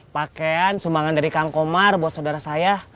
pakaian sumbangan dari kang komar buat saudara saya